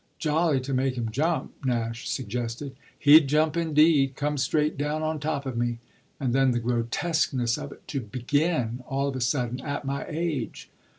"Jolly to make him jump!" Nash suggested. "He'd jump indeed come straight down on top of me. And then the grotesqueness of it to begin all of a sudden at my age."